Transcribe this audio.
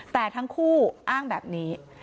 แต่ทั้งคู่อ้างแบบนี้